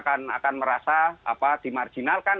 akan merasa dimarginalkan